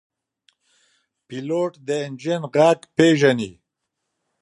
پیلوټ د انجن غږ پېژني.